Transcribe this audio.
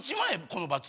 この罰。